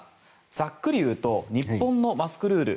ざっくりいうと日本のマスクルール